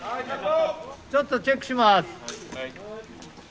ちょっとチェックします。